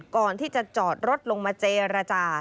ก่อนที่จะจอดรถลงมาเจรจา